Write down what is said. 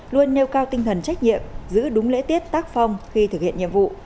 luôn nêu cao tinh thần trách nhiệm giữ đúng lễ tiết tác phong khi thực hiện nhiệm vụ